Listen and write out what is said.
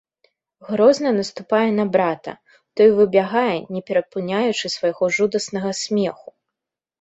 Грозна наступае на брата, той выбягае, не перапыняючы свайго жудаснага смеху.